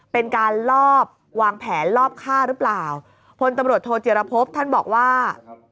เป็นการลอบวางแผนลอบฆ่าหรือเปล่าพลตำรวจโทจิรพบท่านบอกว่า